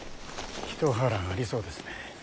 一波乱ありそうですね。